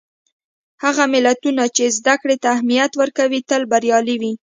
هغه ملتونه چې زدهکړې ته اهمیت ورکوي، تل بریالي وي.